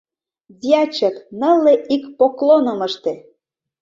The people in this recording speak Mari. Дьячок, нылле ик поклоным ыште!